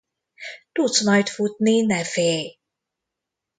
Tudsz majd futni, ne félj!